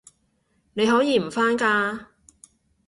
你可以唔返㗎